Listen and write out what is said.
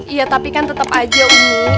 iya tapi kan tetep aja umi